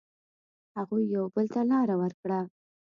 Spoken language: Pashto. هغوی یو بل ته لاره ورکړه.